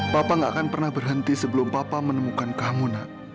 papa gak akan pernah berhenti sebelum papa menemukan kehamunan